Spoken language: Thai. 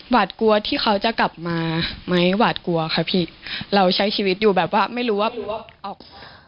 กลัวที่เขาจะกลับมาไหมหวาดกลัวค่ะพี่เราใช้ชีวิตอยู่แบบว่าไม่รู้ว่าออก